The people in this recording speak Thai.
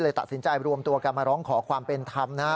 ตัดสินใจรวมตัวกันมาร้องขอความเป็นธรรมนะฮะ